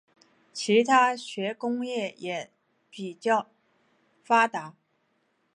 其化学工业也较发达。